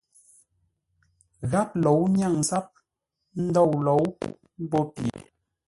Gháp lǒu nyáŋ záp ndôu lǒu mbó pye.